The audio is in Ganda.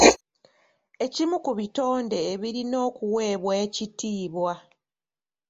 Ekimu ku bitonde ebirina okuweebwa ekitiibwa.